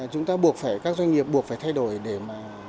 chúng ta buộc phải các doanh nghiệp buộc phải thay đổi để mà